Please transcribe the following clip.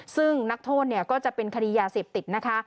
ซึ่งนักโทษเนี่ยก็จะเป็นคดียาเสพติดนะคะ